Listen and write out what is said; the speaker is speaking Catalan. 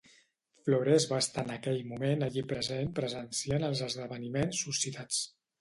Flores va estar en aquell moment allí present presenciant els esdeveniments suscitats.